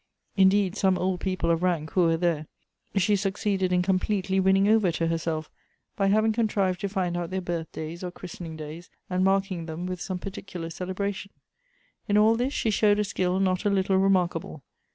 Indeed, some old people of rank who were there she succeeded in completely winning over to herself^ by having con trived to find out their birthdays or christening days, Elective Affinities. 177 and marking them with some particular celebration. In all this she showed a skill not a little remarkable.